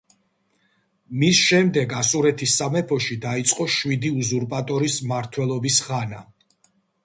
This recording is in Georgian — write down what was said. მის შემდეგ ასურეთის სამეფოში დაიწყო შვიდი უზურპატორის მმართველობის ხანა.